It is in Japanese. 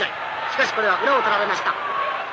しかしこれは裏を取られました。